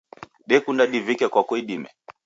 Dekunda divike kwako idime.